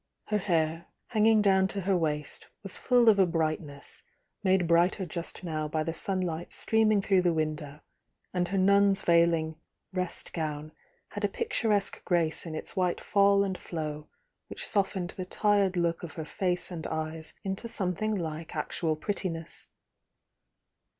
Her hair, hanging down to her waist, was full of a brightness, made brighter just now by the sunlight streaming through the window, and her nun's veiling "rest gown" had a picturesque grace in its white fall and flow which softened the tired look cf her faco and eyes into something like actual prettiness.